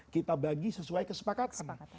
kita bagi sesuai kesepakatan